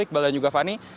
iqbal dan juga fani